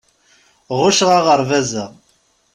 Ɣucceɣ aɣerbaz-a.